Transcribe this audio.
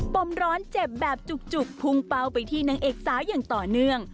มร้อนเจ็บแบบจุกพุ่งเป้าไปที่นางเอกสาวอย่างต่อเนื่อง